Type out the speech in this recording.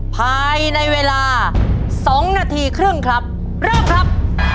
ภายในเวลา๒นาทีครึ่งครับเริ่มครับ